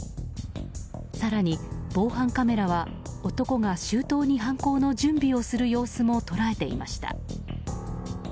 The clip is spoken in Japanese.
更に防犯カメラは、男が周到に犯行の準備をする様子も捉えていました。